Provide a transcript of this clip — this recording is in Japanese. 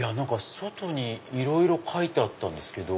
外にいろいろ書いてあったんですけど。